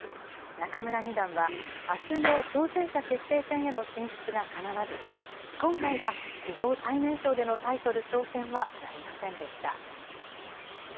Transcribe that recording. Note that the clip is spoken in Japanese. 仲邑二段は、あすの挑戦者決定戦への進出がかなわず、今回は史上最年少でのタイトル挑戦はなりませんでした。